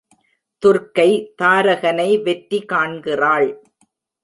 துர்க்கை தாரகனை வெற்றி காண்கிறாள்.